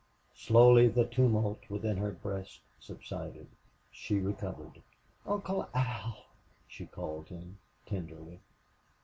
Slowly the tumult within her breast subsided. She recovered. "Uncle Al!" she called him, tenderly.